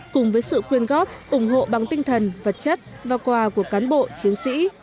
cùng với sự quyên góp ủng hộ bằng tinh thần vật chất và quà của cán bộ chiến sĩ